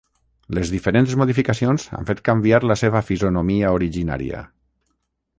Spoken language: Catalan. Les diferents modificacions han fet canviar la seva fisonomia originària.